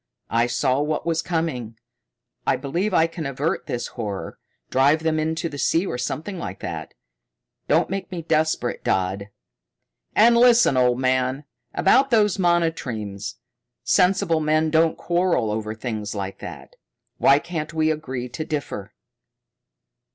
I saw what was coming. I believe I can avert this horror, drive them into the sea or something like that. Don't make me desperate, Dodd. "And listen, old man. About those monotremes sensible men don't quarrel over things like that. Why can't we agree to differ?"